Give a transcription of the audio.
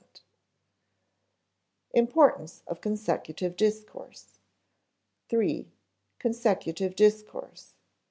[Sidenote: Importance of consecutive discourse] (iii) Consecutive discourse.